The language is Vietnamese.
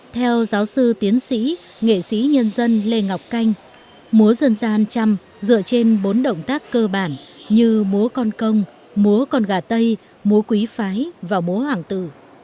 theo giáo sư tiến sĩ nghệ sĩ nhân dân lê ngọc canh múa dân gian trăm dựa trên bốn động tác cơ bản như múa con công múa con gà tây múa quý phái và múa hoàng tử